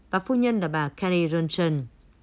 và phu nhân là bà carrie johnson